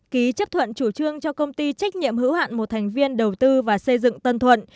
ký chấp thuận chủ trương cho công ty trách nhiệm hữu hạn một thành viên đầu tư và xây dựng tân thuận